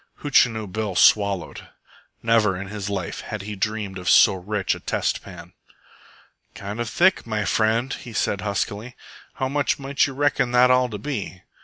Hootchinoo Bill swallowed. Never in his life had he dreamed of so rich a test pan. "Kind of thick, my friend," he said huskily. "How much might you reckon that all to be?"